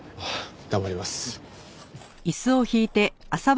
頑張ります。